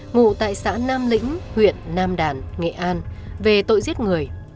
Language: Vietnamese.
ngụ tại xã nam lĩnh huyện nam đàn nghệ an về tội giết người